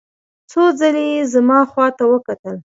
څو ځلې یې زما خواته وکتل.